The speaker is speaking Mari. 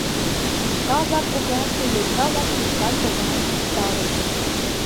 Ушкал-влак коклаште йоча-влак тӱшкан погынен куржталыт.